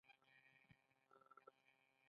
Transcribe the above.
ایا زه التهاب لرم؟